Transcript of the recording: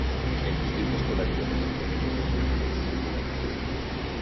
El Distrito Escolar Independiente de Webb Consolidated sirve Bruni.